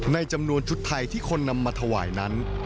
ในจำนวนชุดไทยที่คนนำมาถวายนั้น